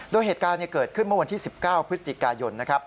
โดยเหตุการณ์เกิดขึ้นเมื่อวันที่๑๙พฤศจิกายนนะครับ